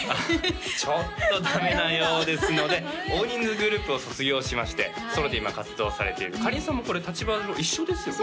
ちょっとダメなようですので大人数グループを卒業しましてソロで今活動されているかりんさんもこれ立場上一緒ですよね